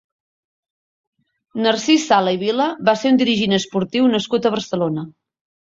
Narcís Sala i Vila va ser un dirigent esportiu nascut a Barcelona.